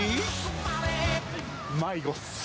迷子っす。